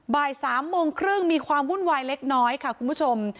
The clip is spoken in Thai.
บ่าย๓โมงครึ่งมีความวุ่นวายเล็กน้อยค่ะคุณผู้ชม